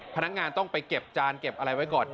พนักงานต้องไปเก็บจานเก็บอะไรไว้ก่อน